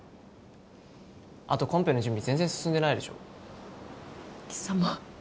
あとコンペの準備全然進んでないでしょ貴様